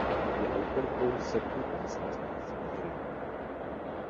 Je autorkou sedmi básnických sbírek.